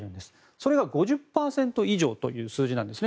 それが５０％以上という数字なんですね。